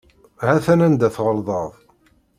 Hatan anda tɣelḍeḍ.